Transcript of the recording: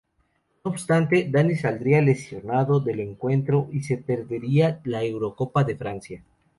No obstante, Dani saldría lesionado del encuentro y se perdería la Eurocopa de Francia.